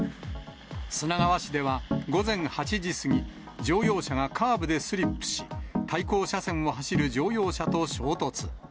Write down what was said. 砂川市では午前８時過ぎ、乗用車がカーブでスリップし、対向車線を走る乗用車と衝突。